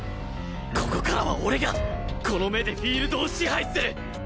ここからは俺がこの目でフィールドを支配する！